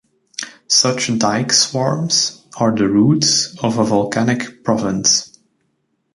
Such dike swarms are the roots of a volcanic province.